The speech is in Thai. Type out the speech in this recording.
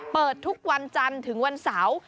เปิดทุกวันจันทร์ถึงวันเสาร์